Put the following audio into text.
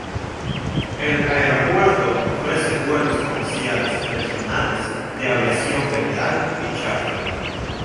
El aeropuerto ofrece vuelos comerciales regionales, de aviación general y chárter.